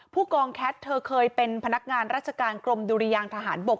ผู้กองแคทเธอเคยเป็นพนักงานราชการกรมดุริยางทหารบก